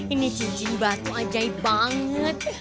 ini cincin batu ajaib banget